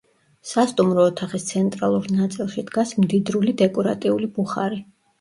სასტუმრო ოთახის ცენტრალურ ნაწილში დგას მდიდრული დეკორატიული ბუხარი.